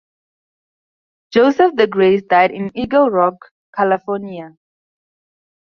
Joseph De Grasse died in Eagle Rock, California.